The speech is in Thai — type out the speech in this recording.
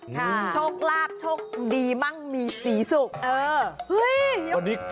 ค่ะโชคราบโชคดีมั่งมีสีสุขเออโอ้โฮ